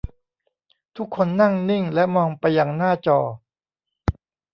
ทุกคนนั่งนิ่งและมองไปยังหน้าจอ